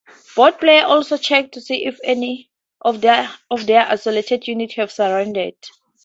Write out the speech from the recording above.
Both players also check to see if any of their isolated units have surrendered.